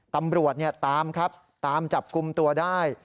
ตำรวจตามครับตามจับกลุ่มตัวได้